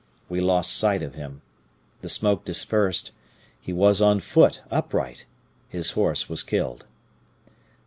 We lost sight of him; the smoke dispersed; he was on foot, upright; his horse was killed.